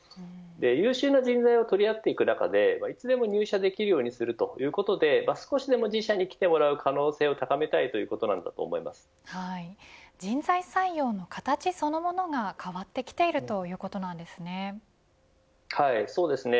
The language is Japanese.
優秀な人材を取り合っていく中でいつも入社できるようにするということで少しでも自社に来てもらう可能性を高めたいという人材採用の形そのものが変わってきているということなんですね。